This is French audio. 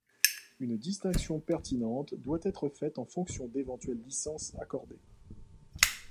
Une distinction pertinente doit être faite en fonction d'éventuelles licences accordées.